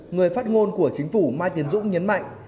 người phát ngôn của chính phủ mai tiến dũng nhấn mạnh